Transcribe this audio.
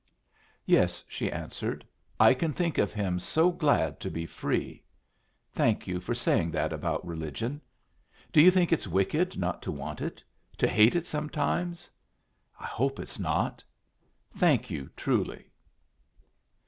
"Yes," she answered, "I can think of him so glad to be free. Thank you for saying that about religion. Do you think it's wicked not to want it to hate it sometimes? I hope it's not. Thank you, truly."